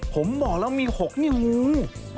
ผมบอกเรามี๖ยังงู